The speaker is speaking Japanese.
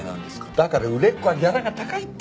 だから売れっ子はギャラが高いって。